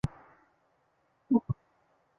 壸门过道顶有砖砌叠涩藻井。